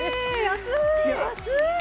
安い！